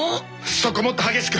そこもっと激しく。